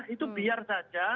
itu biar saja